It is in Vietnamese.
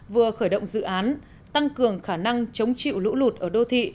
vừa khởi động dự án tăng cường khả năng chống chịu lũ lụt ở đô thị